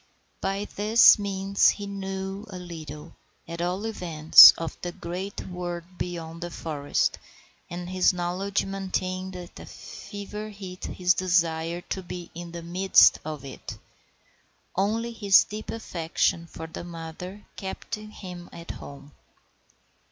By this means he knew a little, at all events, of the great world beyond the forest, and this knowledge maintained at fever heat his desire to be in the midst of it. Only his deep affection for his mother kept him at home.